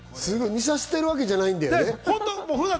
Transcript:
似させてるわけじゃないんでよね。